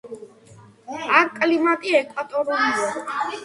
აქ კლიმატი ეკვატორულია.